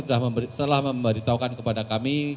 yang diberitahukan kepada kami